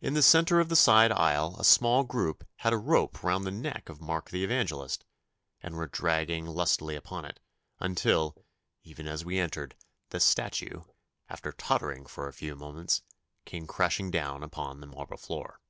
In the centre of the side aisle a small group had a rope round the neck of Mark the Evangelist, and were dragging lustily upon it, until, even as we entered, the statue, after tottering for a few moments, came crashing down upon the marble floor.